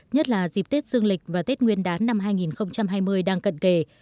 nhất là dịp tết dương lịch và tết nguyên đán năm hai nghìn hai mươi đang cận kề